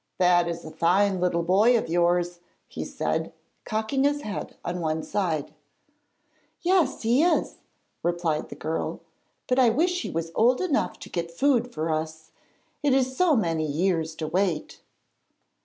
'That is a fine little boy of yours,' he said, cocking his head on one side. 'Yes, he is,' replied the girl; 'but I wish he was old enough to get food for us. It is so many years to wait.'